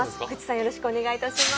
よろしくお願いします。